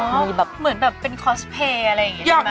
อ๋อเหมือนแบบเป็นคอสเปย์อะไรอย่างนี้